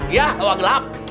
iya tahu agelap